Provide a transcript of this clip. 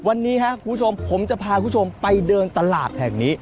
วันนี้ครับคุณผู้ชมผมจะพาคุณผู้ชมไปเดินตลาดแห่งนี้